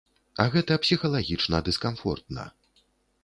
А гэта псіхалагічна дыскамфортна.